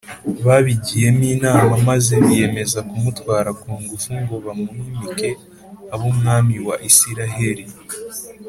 babigiyemo inama, maze biyemeza kumutwara ku ngufu ngo bamwimike abe umwami wa isiraheri